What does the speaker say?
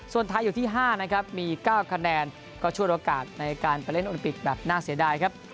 ส่วนไทยอยู่ที่๕นะครับมี๙คะแนนก็ช่วยโอกาสในการไปเล่นโอลิมปิกแบบน่าเสียดายครับ